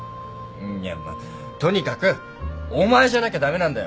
いやまあとにかくお前じゃなきゃ駄目なんだよ